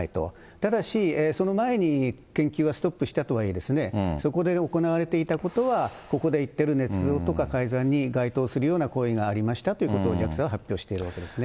ただし、その前に研究がストップしたとはいえ、そこで行われていたことは、ここで言ってるねつ造とか改ざんに該当するような行為がありましたということを、ＪＡＸＡは発表しているわけですね。